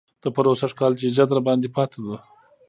د پروسږ کال ججه درباندې پاتې ده.